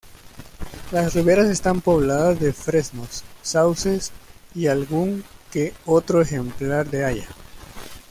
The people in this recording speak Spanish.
Las riberas están pobladas de fresnos, sauces y algún que otro ejemplar de haya.